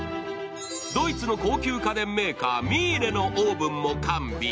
ドイツの高級家電メーカー・ミーレのオーブンも完備。